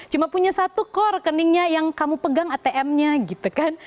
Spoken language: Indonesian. cuma punya satu kok rekeningnya yang kamu pegang atm nya gitu kan